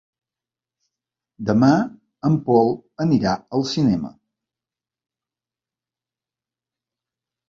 Demà en Pol anirà al cinema.